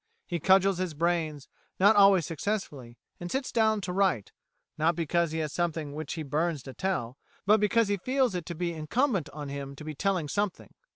He cudgels his brains, not always successfully, and sits down to write, not because he has something which he burns to tell, but because he feels it to be incumbent on him to be telling something.